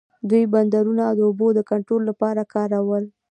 دوی بندرونه د اوبو د کنټرول لپاره کارول.